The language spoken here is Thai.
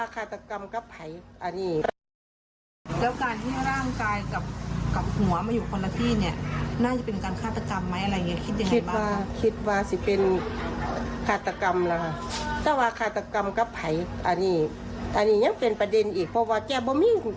การที่ไปพบร่างของพี่คมสันตรงนั้น